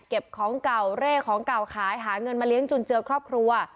ของเก่าเร่ของเก่าขายหาเงินมาเลี้ยงจุนเจือครอบครัว